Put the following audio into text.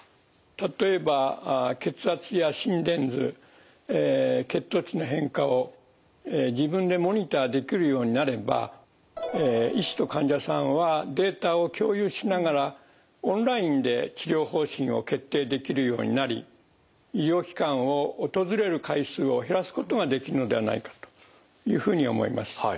例えば血圧や心電図血糖値の変化を自分でモニターできるようになれば医師と患者さんはデータを共有しながらオンラインで治療方針を決定できるようになり医療機関を訪れる回数を減らすことができるのではないかというふうに思います。